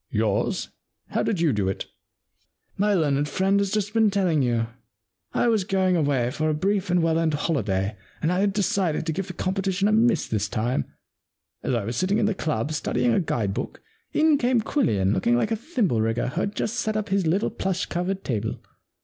* Yours ? How did you do it ?'* My learned friend has just been telling you. I was going away for a brief and well earned holiday, and I had decided to give the competition a miss this time. As I was 80 The Win and Lose Problem sitting in the club, studying a guide book, in came Quillian looking like a thimble rigger who has just set up his little plush covered table.